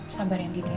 sabar yang diberi ya